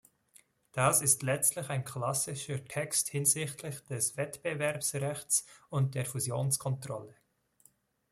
Das ist letztlich ein klassischer Text hinsichtlich des Wettbewerbsrechts und der Fusionskontrolle.